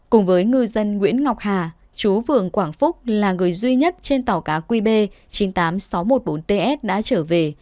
cùng với ngư dân nguyễn ngọc hà chú vườn quảng phúc là người duy nhất trên tàu cá qb chín mươi tám nghìn sáu trăm một mươi bốn ts đã trở về